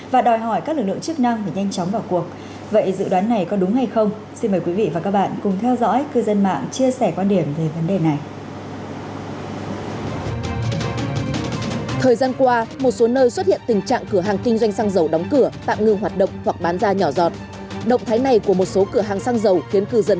và đòi hỏi các lực lượng chức năng để nhanh chóng vào cuộc